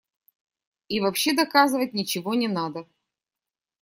И вообще доказывать ничего не надо.